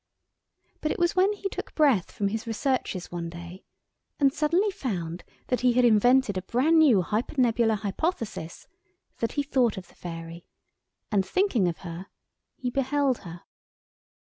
But it was when he took breath from his researches one day, and suddenly found that he had invented a bran new Hypernebular Hypothesis—that he thought of the Fairy, and thinking of her, he beheld her.